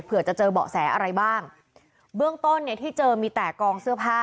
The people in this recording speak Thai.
จะเจอเบาะแสอะไรบ้างเบื้องต้นเนี่ยที่เจอมีแต่กองเสื้อผ้า